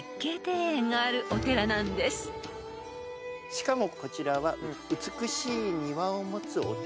しかもこちらは。